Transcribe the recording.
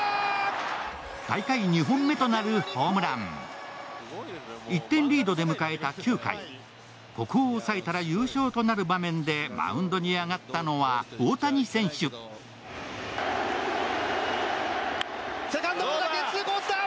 大会２本目となるホームラン１点リードで迎えた９回ここを抑えたら優勝となる場面でマウンドに上がったのは大谷選手セカンドゴロだゲッツーコースだ！